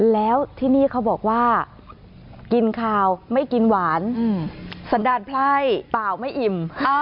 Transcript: แล้วที่นี่เขาบอกว่ากินขาวไม่กินหวานสันดาลไพร่เปล่าไม่อิ่ม